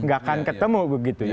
tidak akan ketemu begitu